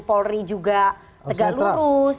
polri juga tegak lurus